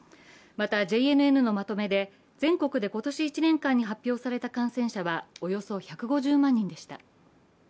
またＪＮＮのまとめで全国で今年１年間に発表された感染者はおよそ１５０万人でした。